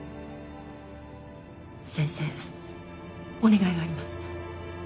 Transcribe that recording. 先生お願いがあります。